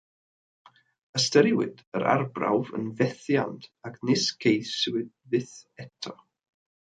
Ystyriwyd yr arbrawf yn fethiant ac nis ceisiwyd fyth eto.